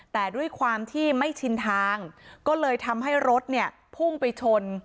แต่ด้วยความที่ไม่ชินทางก็เลยทำให้รถเนี่ยพุ่งไปชน